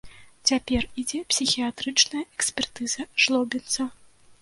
Цяпер ідзе псіхіятрычная экспертыза жлобінца.